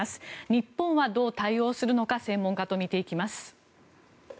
日本はどう対応するのか専門家と見ていきます。